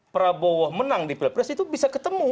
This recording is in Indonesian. prabowo menang di pilpres itu bisa ketemu